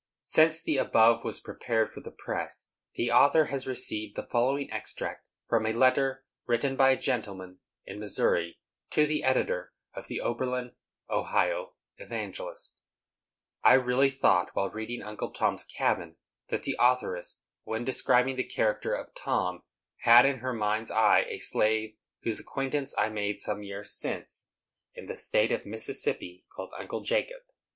Since the above was prepared for the press the author has received the following extract from a letter written by a gentleman in Missouri to the editor of the Oberlin (Ohio) Evangelist: I really thought, while reading "Uncle Tom's Cabin," that the authoress, when describing the character of Tom, had in her mind's eye a slave whose acquaintance I made some years since, in the State of Mississippi, called "Uncle Jacob."